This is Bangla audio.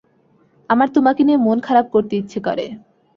আমার তোমাকে নিয়ে মন খারাপ করতে ইচ্ছা করে।